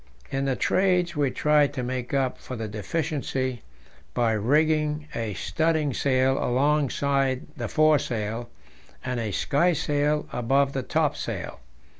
In the Trades we tried to make up for the deficiency by rigging a studding sail alongside the foresail and a sky sail above the topsail.